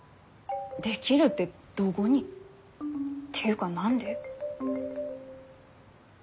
出来るってどごに？っていうか何で？